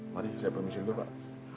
mari saya permisi dulu pak